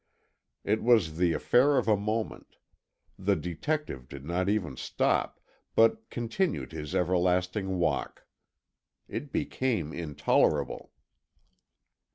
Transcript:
It was the affair of a moment; the detective did not even stop, but continued his everlasting walk. It became intolerable.